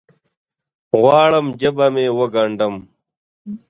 غواړم ژبه مې وګنډم